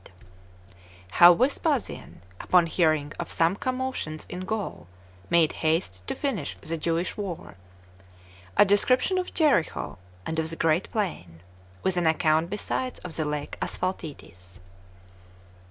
CHAPTER 8. How Vespasian Upon Hearing Of Some Commotions In Gall, 12 Made Haste To Finish The Jewish War. A Description Of Jericho, And Of The Great Plain; With An Account Besides Of The Lake Asphaltites.